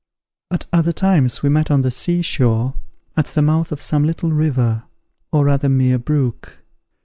At other times we met on the sea shore, at the mouth of some little river, or rather mere brook.